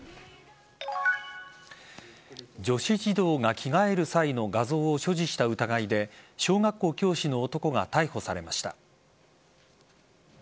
女子児童が着替える際の画像を所持した疑いで小学校教師の男が逮捕されました。